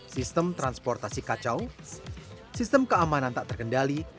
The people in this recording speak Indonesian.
sistem transportasi kacau sistem keamanan tak terkendali